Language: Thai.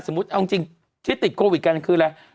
เอาจริงที่ติดโควิดกันคืออะไร